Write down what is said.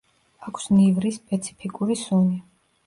აქვს ნივრის სპეციფიკური სუნი.